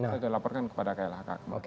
saya telah laporkan kepada klhk